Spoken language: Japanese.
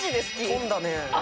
飛んだね。